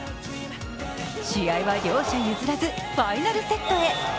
試合は両者譲らず、ファイナルセットへ。